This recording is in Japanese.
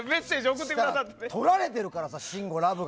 とられてるからさ、シンゴラブが。